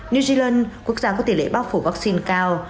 new zealand quốc gia có tỷ lệ bác phủ vaccine cao